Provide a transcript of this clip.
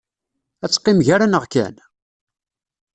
Ad teqqim gar-aneɣ kan?